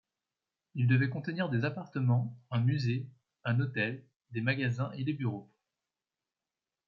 Il devait contenir des appartements, un musée, un hôtel, des magasins et des bureaux.